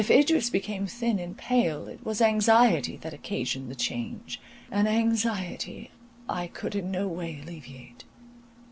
If Idris became thin and pale, it was anxiety that occasioned the change; an anxiety I could in no way alleviate.